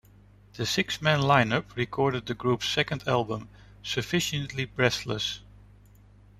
This six man lineup recorded the group's second album, "Sufficiently Breathless".